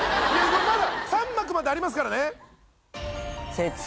まだ３幕までありますからね。